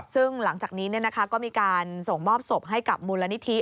ซึ่งหลังจากนี้ก็มีการส่งมอบศพให้กับมูลนิธิ